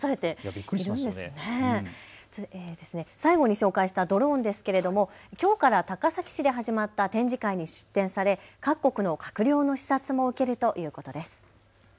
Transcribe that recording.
最後に紹介したドローンですけれどもきょうから高崎市で始まった展示会に出展され各国の閣僚の視察も受けるということです。